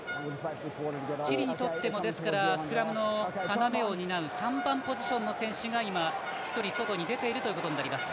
チリにとってもですから、スクラムの要を担う３番ポジションの選手が今、１人、外に出ているということになります。